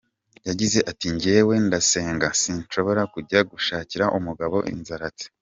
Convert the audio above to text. Yagize ati “Njyewe ndasenga sinshobora kujya gushakira umugabo inzaratsi.